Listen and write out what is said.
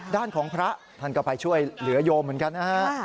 ด้านของพระท่านก็ไปช่วยเหลือโยมเหมือนกันนะฮะ